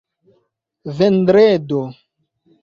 vendredo